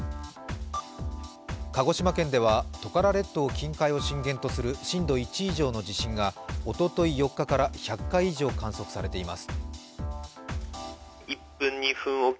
鹿児島県ではトカラ列島近郊を震源とする震度１以上の地震がおととい４日から１００回以上観測されています。